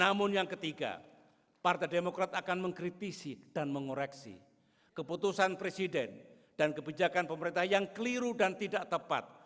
namun yang ketiga partai demokrat akan mengkritisi dan mengoreksi keputusan presiden dan kebijakan pemerintah yang keliru dan tidak tepat